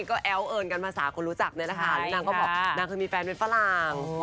ก็แอ้วเอิญกันภาษาคนรู้จักนี่แหละค่ะแล้วนางก็บอกนางเคยมีแฟนเป็นฝรั่ง